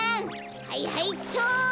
はいはいっちょ！